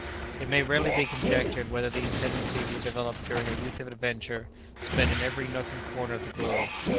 It may readily be conjectured whether these tendencies were developed during a youth of adventure, spent in every nook and corner of the Globe.